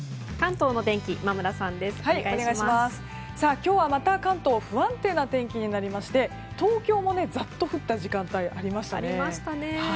今日はまた関東不安定な天気になりまして東京も、ざっと降った時間帯ありましたね。